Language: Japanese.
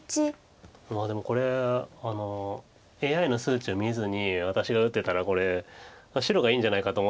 まあでもこれＡＩの数値を見ずに私が打ってたらこれ白がいいんじゃないかと思ってもおかしくないです。